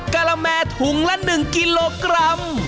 กะละแมถุงละ๑กิโลกรัม